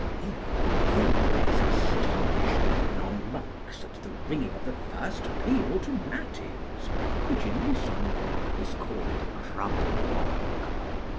Even no less astonished than are monks at the ringing of the first peal to matins, which in Lusonnois is called rub ballock.